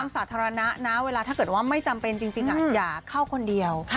สาธารณะนะเวลาถ้าเกิดว่าไม่จำเป็นจริงอย่าเข้าคนเดียว